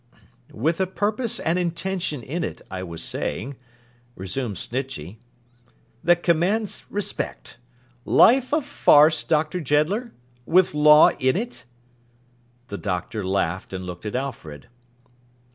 'With a purpose and intention in it, I was saying,' resumed Snitchey, 'that commands respect. Life a farce, Dr. Jeddler? With law in it?' The Doctor laughed, and looked at Alfred.